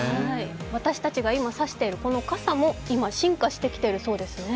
私たちが差しているこの傘も、進化してきているようですね